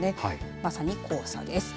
まさに黄砂です。